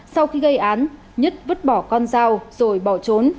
sau khi gây án nhất vứt bỏ con dao rồi bỏ trốn